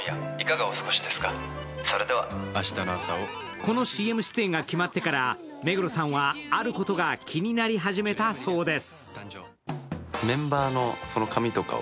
このＣＭ出演が決まってから目黒さんはあることが気になり始めたそうです。